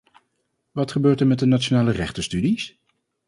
Wat gebeurt er met de nationale rechtenstudies?